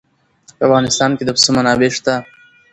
په افغانستان کې د پسه منابع شته.